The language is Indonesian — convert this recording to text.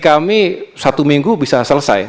kami satu minggu bisa selesai